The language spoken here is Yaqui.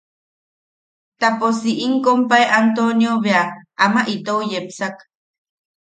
Ta pos si im kompai Antonio bea ama itou yepsak.